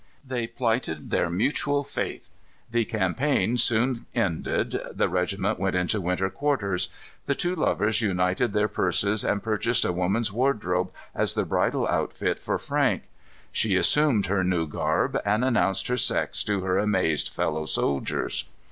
They plighted their mutual faith. The campaign soon ended. The regiment went into winter quarters. The two lovers united their purses, and purchased a woman's wardrobe as the bridal outfit for Frank. She assumed her new garb, and announced her sex to her amazed fellow soldiers.